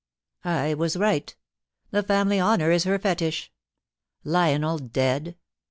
I was right ; the family honour is her fetish. Lionel dead